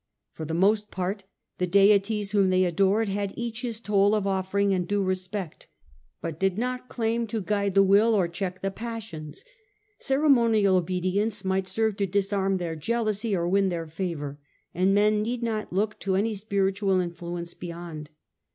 For the most part the deities whom they adored had each his toll of offering and due respect, but did not claim to guide the will or check the passions. Cere absence of monial obedience might seive to disarm their ^trkuai jealousy or win their favour, and men need not • look to any spiritual influence beyond.